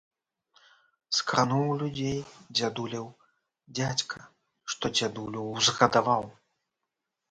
Скрануў людзей дзядулеў дзядзька, што дзядулю ўзгадаваў.